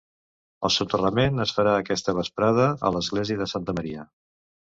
El soterrament es farà aquesta vesprada a l’església de Santa Maria.